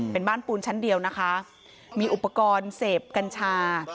เป็นบ้านปูนชั้นเดียวนะคะมีอุปกรณ์เสพกัญชา